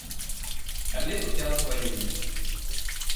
Але тут я на сваім месцы.